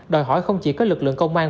đòi hỏi không chỉ có lực lượng công an